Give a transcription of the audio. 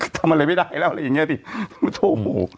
ก็ทำอะไรไม่ได้แล้วอะไรอย่างเงี้ยสิโอ้โห